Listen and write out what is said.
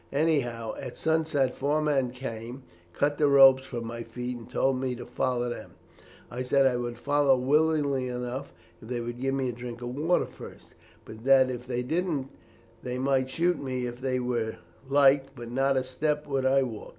Anyhow at sunset four men came, cut the ropes from my feet, and told me to follow them. I said that I would follow willingly enough if they would give me a drink of water first, but that if they didn't they might shoot me if they liked, but not a step would I walk.